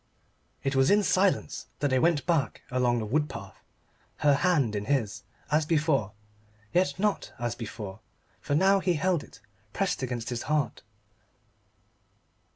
It was in silence that they went back along the wood path her hand in his, as before. Yet not as before, for now he held it pressed against his heart.